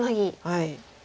はい。